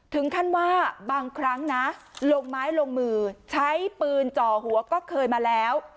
ถึงขั้นว่าบางครั้งนะลงไม้ลงมือใช้ปืนจ่อหัวก็เคยมาแล้ว